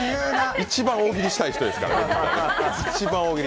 一番大喜利したい人ですから。